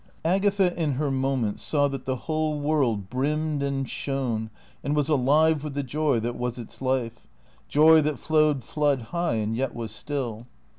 Agatha in her moment saw that the whole world brimmed and shone and was alive with the joy that was its life, joy that flowed flood high and yet was still.